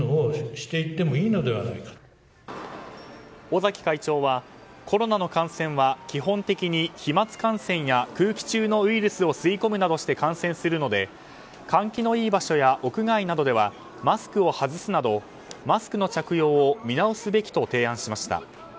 尾崎会長はコロナの感染は基本的に飛まつ感染や空気中のウイルスを吸い込むなどして感染するので換気のいい場所や屋外などではマスクを外すなどマスクの着用を見直すべきと提案しました。